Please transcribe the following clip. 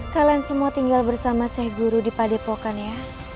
kalian semua tinggal bersama saya guru di padepokan ya